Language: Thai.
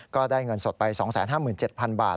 ก็ได้เงินสดไป๒๕๗๐๐บาท